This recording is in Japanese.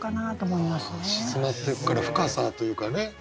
沈まってくから深さというかね